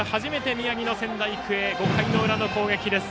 宮城の仙台育英５回の裏の攻撃です。